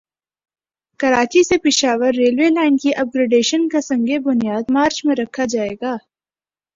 کراچی سے Peshawar railway line کی upgradation کا سنگ بنیاد مارچ میں رکھا جائے گا